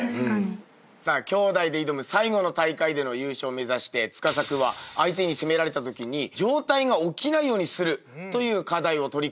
さあ兄弟で挑む最後の大会での優勝を目指して司君は相手に攻められたときに上体が起きないようにするという課題を取り組んでいました。